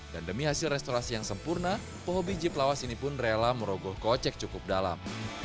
dan demi hasil restorasi yang sempurna hobi jeep lawas ini pun rela merogoh kocek cukup dalam